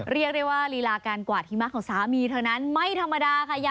เรียกได้ว่าลีลาการกวาดหิมะของสามีเธอนั้นไม่ธรรมดาค่ะ